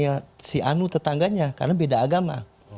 karena dia tetap berbeda agama